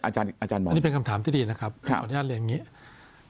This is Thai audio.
อาจารย์บอกอันนี้เป็นคำถามที่ดีนะครับขออนุญาตเรียนอย่างนี้